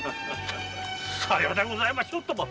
さようでございましょうとも！